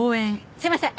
すいません。